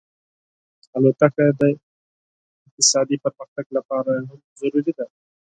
طیاره د اقتصادي پرمختګ لپاره هم ضروري ده.